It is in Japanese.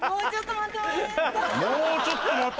もうちょっと待って。